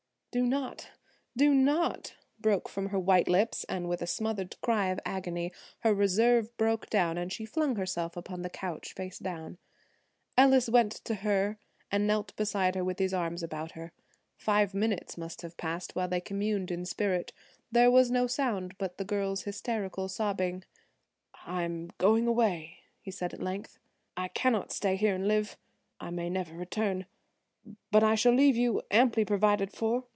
"Do not,–do not,–" broke from her white lips and with a smothered cry of agony her reserve broke down and she flung herself upon the couch face down. Ellis went to her and knelt beside her with his arms about her. Five minutes must have passed while they communed in spirit. There was no sound but the girl's hysterical sobbing. "I am going away," he said at length: "I cannot stay here and live. I may never return, but I shall leave you amply provided for."